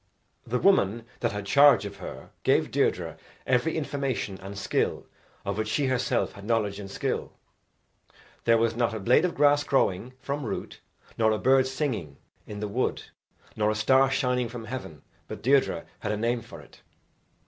The woman that had charge of her gave Deirdre every information and skill of which she herself had knowledge and skill. There was not a blade of grass growing from root, nor a bird singing in the wood, nor a star shining from heaven but Deirdre had a name for it.